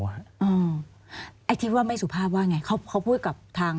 ไอ้ที่ว่าไม่สุภาพว่าไงเขาพูดกับทาง